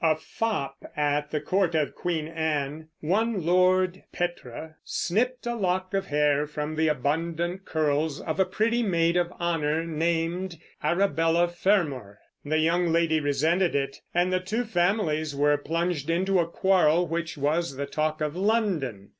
A fop at the court of Queen Anne, one Lord Petre, snipped a lock of hair from the abundant curls of a pretty maid of honor named Arabella Fermor. The young lady resented it, and the two families were plunged into a quarrel which was the talk of London.